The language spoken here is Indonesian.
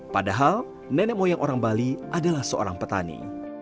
padahal nenek moyang orang bali adalah seorang petani